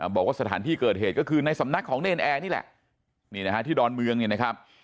บอกว่าสถานที่เกิดเหตุก็คือในสำนักของเนรนแอร์นี่แหละนี่นะฮะที่ดอนเมืองเนี่ยนะครับ